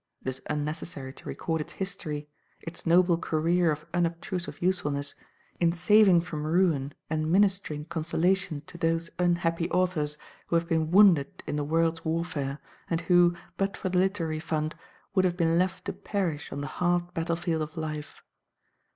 It is unnecessary to record its history, its noble career of unobtrusive usefulness in saving from ruin and ministering consolation to those unhappy authors who have been wounded in the world's warfare, and who, but for the Literary Fund, would have been left to perish on the hard battlefield of life.